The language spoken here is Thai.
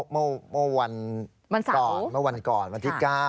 เมื่อวันก่อนวันที่๙